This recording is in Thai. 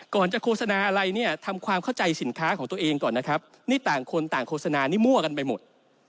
ก่อนจะโฆษณาอะไรเนี่ยทำความเข้าใจสินค้าของตัวเองก่อนนะครับนี่ต่างคนต่างโฆษณานี่มั่วกันไปหมด